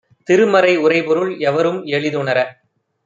திருமறை உரைபொருள் எவரும் எளிதுணர